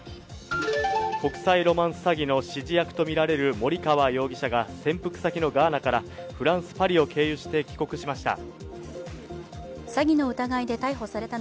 国際ロマンス詐欺の指示役とみられる森川容疑者が潜伏先のガーナからフランス・パリを経由して帰国しました。